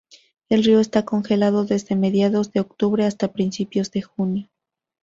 El río está congelado desde mediados de octubre hasta principios de junio.